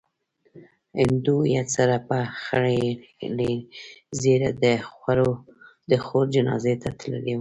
هندو هويت سره په خريلې ږيره د خور جنازې ته تللی و.